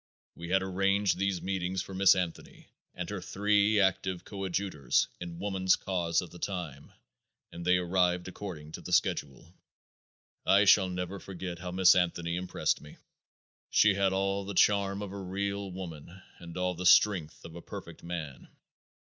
We had arranged these meetings for Miss Anthony and her three active coadjutors in woman's cause at that time, and they arrived according to the schedule. I shall never forget how Miss Anthony impressed me. She had all the charm of a real woman and all the strength of a perfect man.